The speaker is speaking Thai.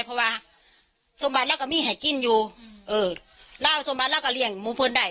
เพราะว่าสมบัติแล้วก็มีให้กินอยู่เออเล่าสมบัติแล้วก็เลี่ยงมงคลได้